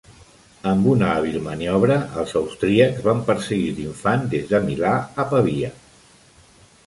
Amb una hàbil maniobra, els austríacs van perseguir l'infant des de Milà a Pavia.